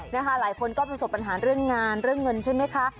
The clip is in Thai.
หลายคนก็ประสบปัญหาเรื่องงานเรื่องเงินใช่ไหมคะ